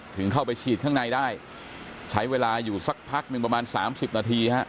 ถึงเข้าไปฉีดข้างในได้ใช้เวลาอยู่สักพักหนึ่งประมาณสามสิบนาทีฮะ